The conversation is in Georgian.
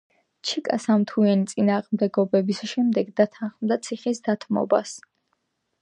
ჩაკა სამ თვიანი წინააღმდეგობის შემდეგ დათანხმდა ციხის დათმობას.